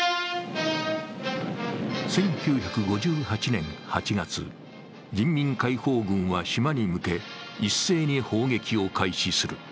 １９５８年８月、人民解放軍は島に向け一斉に砲撃を開始する。